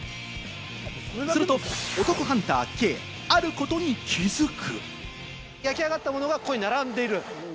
すると、お得ハンター・兄があることに気付く。